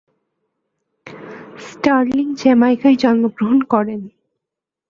Sterling জ্যামাইকায় জন্মগ্রহণ করেন।